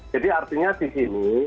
jadi artinya di sini